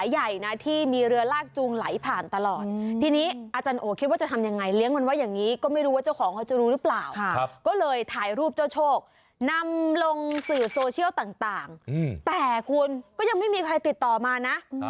หรือโซเชียลต่างแต่คุณก็ยังไม่มีใครติดต่อมานะ